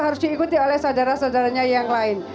harus diikuti oleh saudara saudaranya yang lain